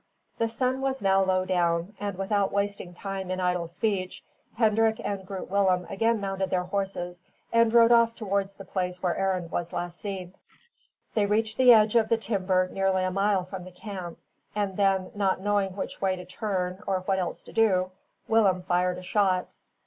The sun was now low down, and, without wasting time in idle speech, Hendrik and Groot Willem again mounted their horses, and rode off towards the place where Arend was last seen. They reached the edge of the timber nearly a mile from the camp, and then, not knowing which way to turn, or what else to do, Willem fired a shot.